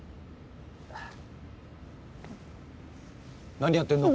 何やってんの？